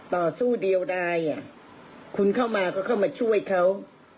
ต่อสู้เดียวได้คุณเข้ามาก็เข้ามาช่วยเขา